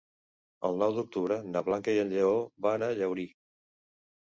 El nou d'octubre na Blanca i en Lleó van a Llaurí.